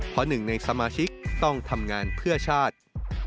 เพราะหนึ่งในสมาชิกต้องทำงานเพื่อชาติ